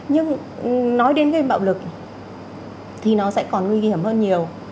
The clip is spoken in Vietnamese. nhưng nói đến gây bạo lực thì nó sẽ còn nguy hiểm hơn nhiều